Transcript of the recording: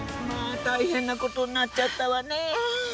まあ大変なことになっちゃったわね。